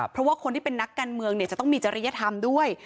เพราะว่าคนที่เป็นนักการเมืองจะต้องมีจริยธรรมด้วย